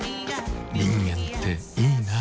人間っていいナ。